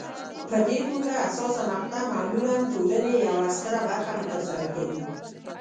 په دې توګه حساسه مقطعه معمولا ټولنې یوه ستره برخه متاثره کوي.